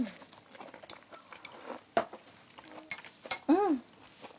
うん！